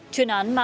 chuyên án là